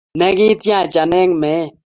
Ne Ki 'tiacha eng' me-et,